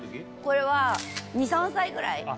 これは２３歳ぐらい？